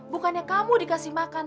bukannya kamu dikasih makan